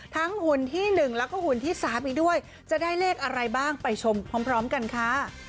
หุ่นที่๑แล้วก็หุ่นที่๓อีกด้วยจะได้เลขอะไรบ้างไปชมพร้อมกันค่ะ